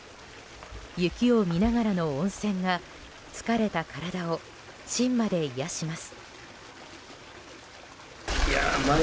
雪を見ながらの温泉が疲れた体を芯まで癒やします。